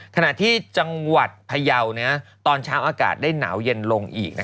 ขณะที่จังหวัดพยาวตอนเช้าอากาศได้หนาวเย็นลงอีก